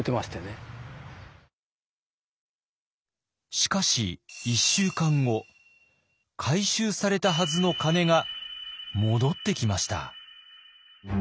しかし一週間後回収されたはずの鐘が戻ってきました。